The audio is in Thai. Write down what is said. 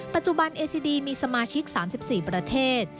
ปัจจุบันเอซีดีมีสมาชิก๓๔ประเทศ